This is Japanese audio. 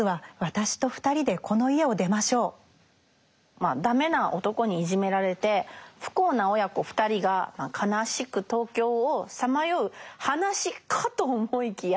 まあダメな男にいじめられて不幸な親子２人が悲しく東京をさまよう話かと思いきや